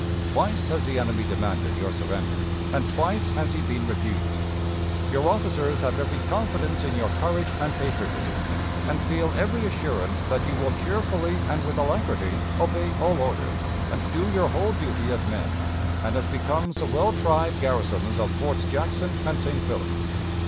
Twice has the enemy demanded your surrender, and twice has he been refused. "Your officers have every confidence in your courage and patriotism, and feel every assurance that you will cheerfully and with alacrity obey all orders, and do your whole duty as men and as becomes the well tried garrisons of Forts Jackson and St. Philip.